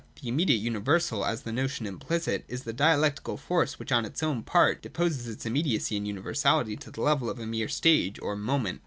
The immediate universal, as the notion implicit, is the dialectical force which on its own part deposes its immediacy and universality to the level of a mere stage or 'moment.'